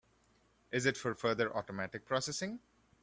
Is it for further automatic processing?